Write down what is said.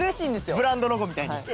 ブランドロゴみたいに。